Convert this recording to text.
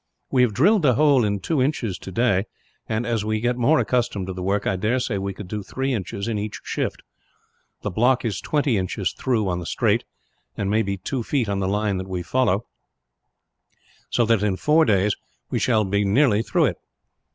We have drilled the hole in two inches today and, as we get more accustomed to the work, I dare say we could do three inches in each shift. The block is twenty inches through on the straight, and may be two feet on the line that we follow; so that in four days we shall be nearly through it.